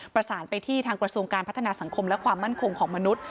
ประสานไปที่ทางกระทรวงการพัฒนาสังคมและความมั่นคงของมนุษย